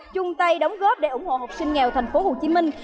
chung tay đóng góp để ủng hộ học sinh nghèo thành phố hồ chí minh